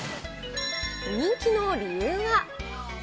人気の理由は？